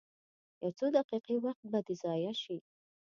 یو څو دقیقې وخت به دې ضایع شي.